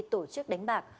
tổ chức đánh bạc